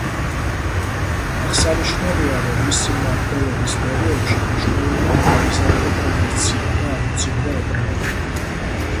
აღსანიშნავია, რომ მისი მმართველობის პერიოდში მნიშვნელოვნად გაიზარდა კომერცია და აღორძინდა ეკონომიკა.